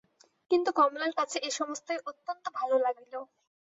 কিন্তু কমলার কাছে এ-সমস্তই অত্যন্ত ভালো লাগিল।